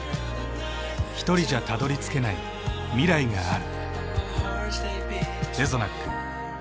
ひとりじゃたどりつけない未来がある。